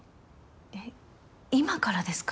えっ今からですか？